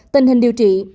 tình hình điều trị